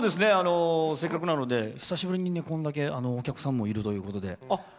せっかくなので久しぶりにお客さんもいるということで。